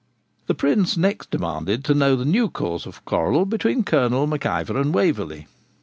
The Prince next demanded to know the new cause of quarrel between Colonel Mac Ivor and Waverley.